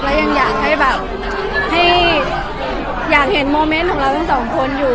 แล้วยังอยากให้แบบให้อยากเห็นโมเมนต์ของเราทั้งสองคนอยู่